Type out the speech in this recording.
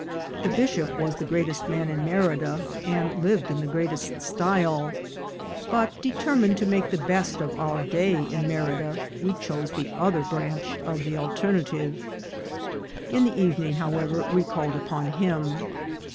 The bishop was the greatest man in Merida, and lived in the greatest style ; but, determined to make the best of our day in Merida, we chose the other branch of the alternative. In the evening, however, we called upon him.